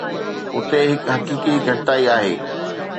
اتي هڪ حقيقي گهٽتائي آهي.